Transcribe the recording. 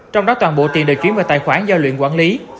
trong đó toàn bộ tiền đều chuyển về tài khoản do luyện quản lý